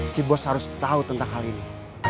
si bos harus tahu tentang hal ini